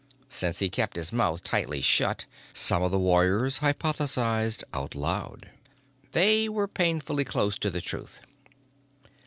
Since he kept his mouth tightly shut, some of the warriors hypothesized out loud. They were painfully close to the truth.